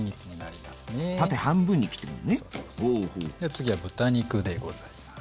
次は豚肉でございます。